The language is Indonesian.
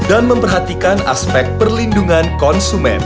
dan memperhatikan aspek perlindungan konsumen